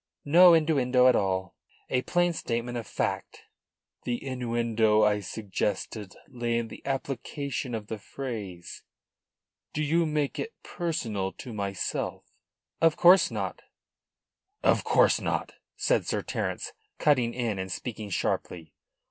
"No innuendo at all. A plain statement of fact." "The innuendo I suggested lay in the application of the phrase. Do you make it personal to myself?" "Of course not," said Sir Terence, cutting in and speaking sharply.